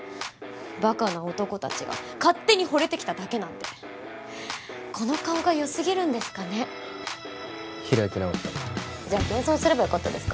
バカな男たちが勝手にホレてきただけなんでこの顔が良すぎるんですかね開き直ったかじゃ謙遜すればよかったですか？